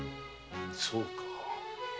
そうか。